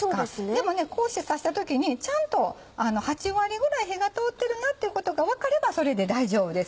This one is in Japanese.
でもこうして刺した時にちゃんと８割ぐらい火が通ってるなってことが分かればそれで大丈夫です。